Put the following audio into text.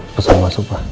pesawat masuk pak